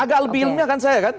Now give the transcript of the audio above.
agak lebih ilmiah kan saya kan